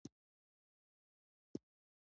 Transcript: خو دا پرمختګونه باید د اخلاقو تر چتر لاندې وي.